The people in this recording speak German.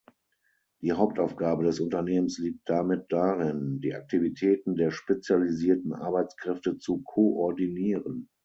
Die Hauptaufgabe des Unternehmens liegt damit darin, die Aktivitäten der spezialisierten Arbeitskräfte zu koordinieren.